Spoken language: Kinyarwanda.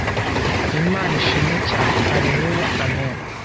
Imana Ishimwe cyane! Halleluya Amena